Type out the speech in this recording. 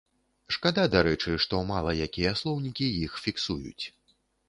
Шкада, дарэчы, што мала якія слоўнікі іх фіксуюць.